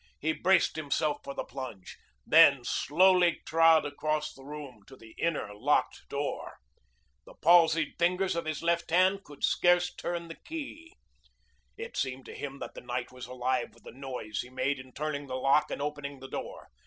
He braced himself for the plunge, then slowly trod across the room to the inner, locked door. The palsied fingers of his left hand could scarce turn the key. It seemed to him that the night was alive with the noise he made in turning the lock and opening the door.